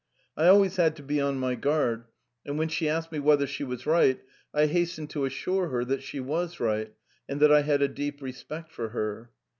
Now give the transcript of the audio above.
I had to be continually on my guard, and when she asked me if she was right, I hastened to assure her that she was right and that I had a profound respect for her.